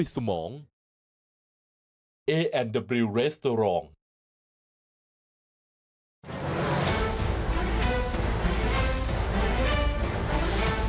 ช่วงวิทย์ตีแสดงหน้า